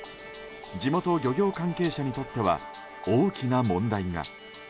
地元漁業関係者にとっては大きな問題が。